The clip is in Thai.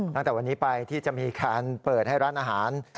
ตั้งแต่วันนี้ไปที่จะมีการเปิดให้ร้านอาหาร